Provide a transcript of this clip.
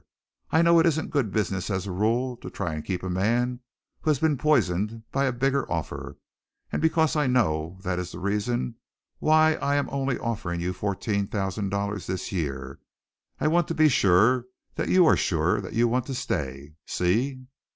I know it isn't good business as a rule to try and keep a man who has been poisoned by a bigger offer, and because I know that is the reason why I am only offering you fourteen thousand dollars this year. I want to be sure that you are sure that you want to stay. See?"